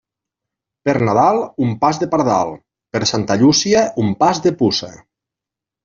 Per Nadal, un pas de pardal; per Santa Llúcia, un pas de puça.